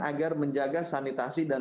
agar menjaga sanitasi dan